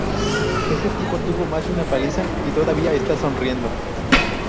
Ese tipo tuvo más de una paliza y todavía está sonriendo.